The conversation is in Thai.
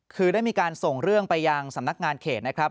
คือได้มีการส่งเรื่องไปยังสำนักงานเขตนะครับ